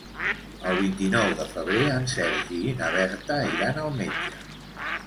El vint-i-nou de febrer en Sergi i na Berta iran al metge.